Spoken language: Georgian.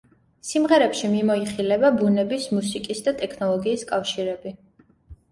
სიმღერებში მიმოიხილება ბუნების, მუსიკის და ტექნოლოგიის კავშირები.